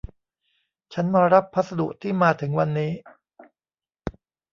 ฉันมารับพัสดุที่มาถึงวันนี้